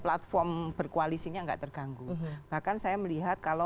platform berkoalisinya nggak terganggu bahkan saya melihat kalau